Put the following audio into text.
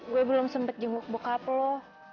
gue belum sempet jenguk bokap lo